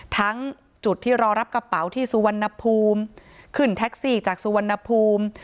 ทั้งจุดที่รอรับกระเป๋าที่สุวรรณภูมิขึ้นแท็กซี่จากสุวรรณภูมิ